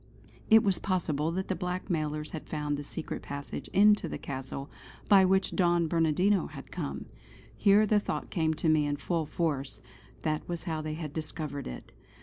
It was possible that the blackmailers had found the secret passage into the Castle by which Don Bernardino had come. Here the thought came to me in full force; that was how they had discovered it.